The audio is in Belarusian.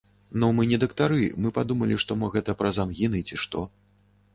Ну мы не дактары, мы падумалі, што мо гэта праз ангіны, ці што.